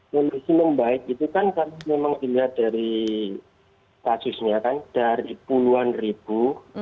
kondisi membaik itu kan karena memang dilihat dari kasusnya kan dari puluhan ribu